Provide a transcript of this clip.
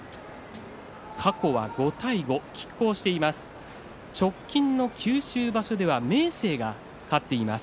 過去は５対５きっ抗しています。